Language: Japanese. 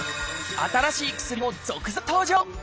新しい薬も続々登場！